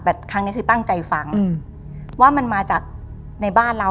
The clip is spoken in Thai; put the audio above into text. แต่ครั้งนี้คือตั้งใจฟังว่ามันมาจากในบ้านเรา